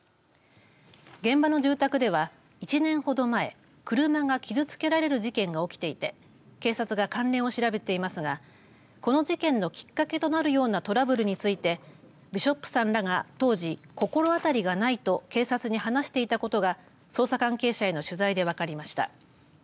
現場の住宅では１年ほど前車が傷つけられる事件が起きていて警察が関連を調べていますがこの事件のきっかけとなるようなトラブルについてビショップさんらが当時心当たりがないと警察に話していたことが捜査関係者への取材で分かりました。